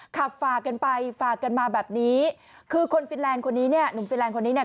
ขับฝากันไปฝากันมาแบบนี้คือคนฟินแลนด์คนนี้เนี่ย